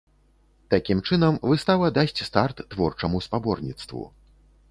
Такім чынам, выстава дасць старт творчаму спаборніцтву.